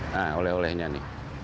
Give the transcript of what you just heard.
nah oleh olehnya nih